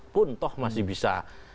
pun toh masih bisa